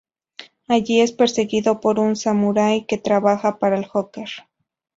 Allí, es perseguido por un samurai que trabaja para el Joker.